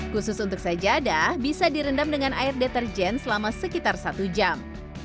khusus untuk sejadah bisa direndam dengan air deterjen selama sekitar satu jam